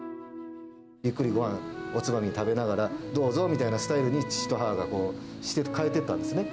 ゆっくりごはん、おつまみ食べながら、どうぞみたいなスタイルに、父と母が変えていったんですね。